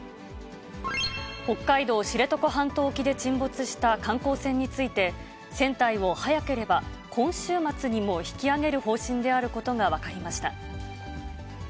北海道知床半島沖で沈没した観光船について、船体を早ければ今週末にも引き揚げる方針であることが分かりました。